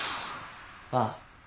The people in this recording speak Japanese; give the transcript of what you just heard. ああ